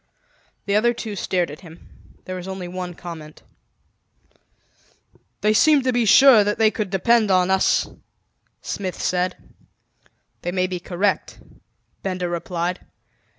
The other two stared at him. There was only one comment. "They seem to be sure that they could depend on us," Smith said. "They may be correct," Benda replied.